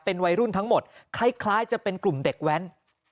วัยรุ่นทั้งหมดคล้ายจะเป็นกลุ่มเด็กแว้น